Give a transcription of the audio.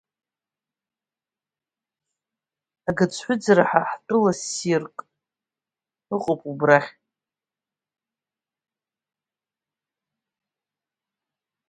Агаӡҳәыӡра ҳәа тәыла ссирк ыҟоуп, убрахь.